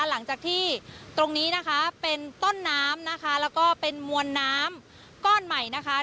หลังจากที่ตรงนี้นะคะเป็นต้นน้ำนะคะแล้วก็เป็นมวลน้ำก้อนใหม่นะคะ